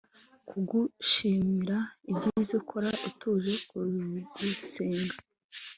kugushimira ibyiza ukora tuje kugusenga